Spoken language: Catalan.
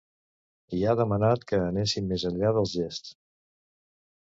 I ha demanat que anessin més enllà dels gests.